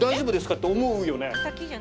って思うよね。